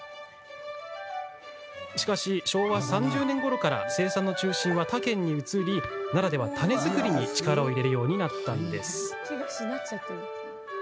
しかし、昭和３０年ごろから生産の中心は他県に移り奈良では種作りに力を入れるようになったんです。